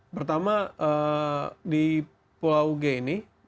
pertama di pulau g ini berdekatan dengan kamar